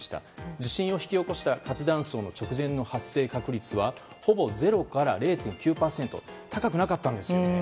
地震を引き起こした活断層の直前の発生確率はほぼ０から０．９％と高くなかったんですね。